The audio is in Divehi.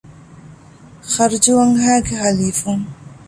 ޚަރްޖުވަންހައިގެ ޙަލީފުން